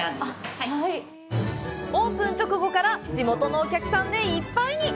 オープン直後から地元のお客さんでいっぱいに！